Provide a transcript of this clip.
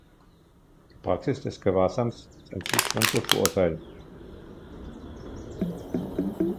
Die Praxis des Gewahrsams ist an sich schon zu verurteilen.